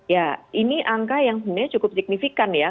ya ini angka yang sebenarnya cukup signifikan ya